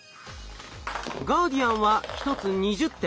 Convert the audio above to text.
ガーディアンは１つ２０点。